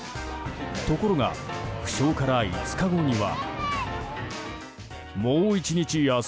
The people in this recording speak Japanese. ところが負傷から５日後には。